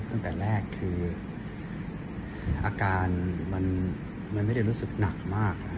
ตั้งแต่แรกคืออาการมันไม่ได้รู้สึกหนักมาก